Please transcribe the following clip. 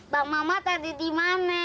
bang mamat ada dimana